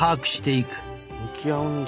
向き合うんだ